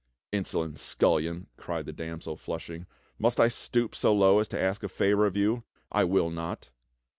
"Insolent scullion," cried the damsel, flushing, "must I stoop so low as to ask a favor of you.? I will not."